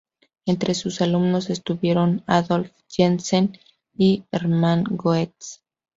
Entre sus alumnos estuvieron Adolf Jensen y Hermann Goetz.